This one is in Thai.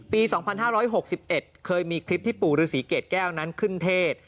ปี๒๕๖๑เคยมีคลิปที่ปู่ฤษีเกรดแก้วนั้นขึ้นเทศ